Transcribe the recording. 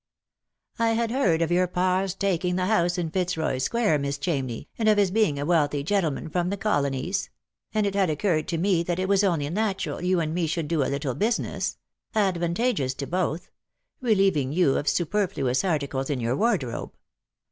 " I had heard of your par's taking the house in Fitzroy square, Miss Chamney, and of his being a wealthy gentleman from the colonies ; and it had occurred to me that it was only natural you and me should do a little business — advantageous to both — relieving you of superfluous articles in your wardrobe.